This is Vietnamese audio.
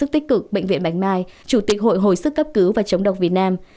tích cực bệnh viện bạch mai chủ tịch hội hồi sức cấp cứu và chống độc việt nam